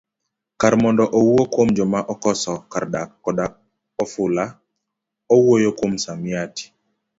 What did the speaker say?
Kar mondo owuo kuom joma okoso kar dak koda ofula, owuoyo kuom msamiati.